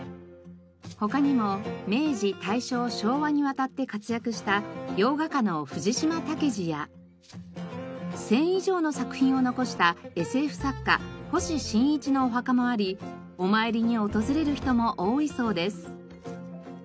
他にも明治・大正・昭和にわたって活躍した洋画家の藤島武二や１０００以上の作品を残したＳＦ作家星新一のお墓もありお参りに訪れる人も多いそうです。